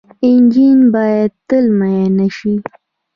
انجن باید تل معاینه شي.